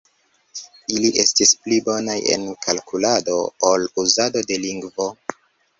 Ili estis pli bonaj en kalkulado ol uzado de lingvo.